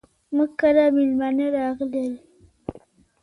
موږ کره ميلمانه راغلل.